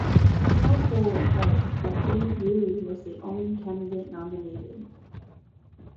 No poll was held as David Ryrie was the only candidate nominated.